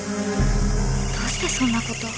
どうしてそんなことを？